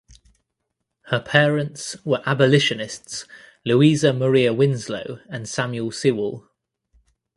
Her parents were abolitionists Louisa Maria Winslow and Samuel Sewall.